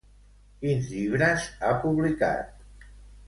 Quins llibres ha publicat?